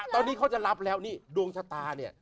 ตอนนี้เขาจะรับแล้วนี่ดวงชะตาเนี่ย